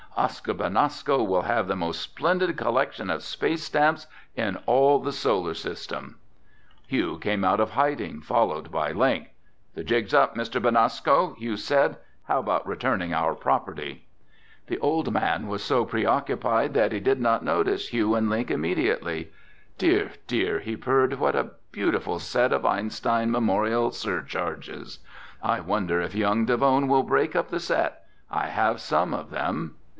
Oscar Benasco will have the most splendid collection of space stamps in all the Solar System!" [Illustration: Benasco was seated on the floor like a child with a new scrapbook] Hugh came out of hiding, followed by Link. "The jig's up, Mr. Benasco," Hugh said. "How about returning our property?" The old man was so preoccupied that he did not notice Hugh and Link immediately. "Dear, dear," he purred, "what a beautiful set of Einstein memorial surcharges! I wonder if young Davone will break up the set? I have some of them."